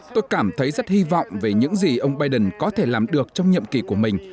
tôi cảm thấy rất hy vọng về những gì ông biden có thể làm được trong nhiệm kỳ của mình